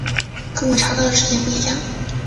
跟我查到的时间不一样